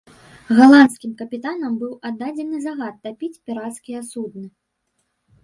Галандскім капітанам быў аддадзены загад тапіць пірацкія судны.